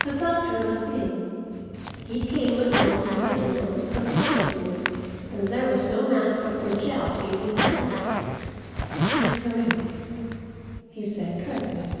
The doctor was in. He came at once to the door of his consulting room, and there was no mask of cordiality in his manner. "Please come in," he said curtly.